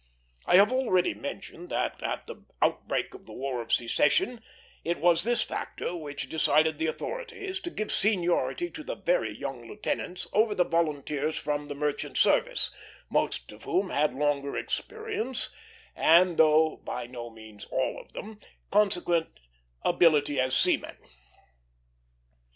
I have already mentioned that, at the outbreak of the War of Secession, it was this factor which decided the authorities to give seniority to the very young lieutenants over the volunteers from the merchant service, most of whom had longer experience and (though by no means all of them) consequent ability as seamen.